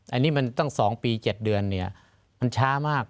อันนี้มันตั้ง๒ปี๗เดือนเนี่ยมันช้ามาก